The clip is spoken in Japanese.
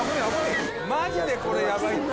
マジでこれヤバいって。